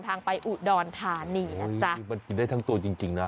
ทางไปอุดรธานีนะจ๊ะคือมันกินได้ทั้งตัวจริงจริงนะ